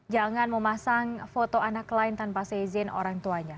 jangan memasang foto anak lain tanpa seizin orang tuanya